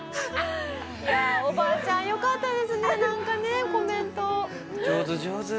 いやおばあちゃんよかったですねなんかねコメント。